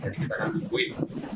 jadi kita akan bukuin